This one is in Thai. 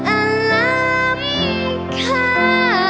อาลังคา